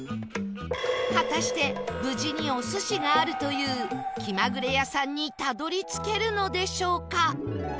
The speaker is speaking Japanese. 果たして無事にお寿司があるというきまぐれやさんにたどり着けるのでしょうか？